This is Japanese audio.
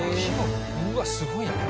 うわっすごいなこれ。